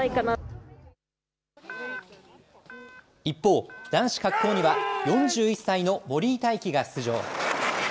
一方、男子滑降には、４１歳の森井大輝が出場。